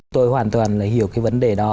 tôi hoàn toàn hiểu cái vấn đề đó